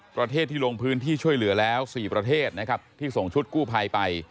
ประเทศที่ลงพื้นที่ช่วยเหลือแล้ว๔ประเทศนะครับที่ส่งชุดกู้ภัยไป